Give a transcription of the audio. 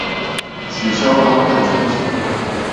取消發票獎金